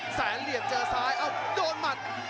แสนเลี่ยมเจอซ้ายโดนมัด